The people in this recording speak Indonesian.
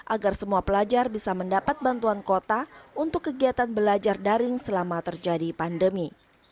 agar semua pelajar bisa mendapat bantuan kuota untuk kegiatan belajar daring selama terjadi pandemi